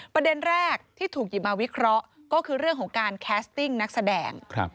ประเด็นแรกที่ถูกหยิบมาวิเคราะห์ก็คือเรื่องของการแคสติ้งนักแสดง